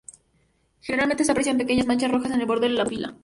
Generalmente se aprecian pequeñas manchas rojas en el borde de la pupila.